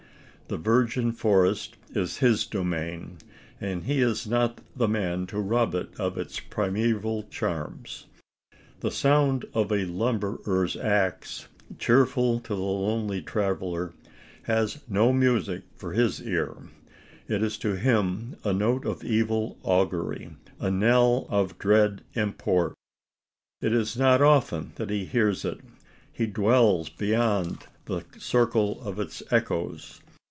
The virgin forest is his domain, and he is not the man to rob it of its primeval charms. The sound of the lumberer's axe, cheerful to the lonely traveller, has no music for his ear: it is to him a note of evil augury a knell of dread import. It is not often that he hears it: he dwells beyond the circle of its echoes.